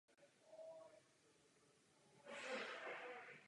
Vystudoval Průmyslovou školu přesné mechaniky a optiky v Přerově.